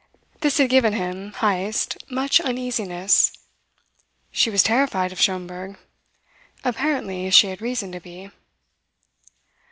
This had given him, Heyst, much uneasiness. She was terrified of Schomberg. Apparently she had reason to be.